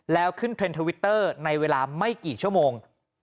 แล้วขึ้นเทรนด์ทวิตเตอร์ในเวลาไม่กี่ชั่วโมง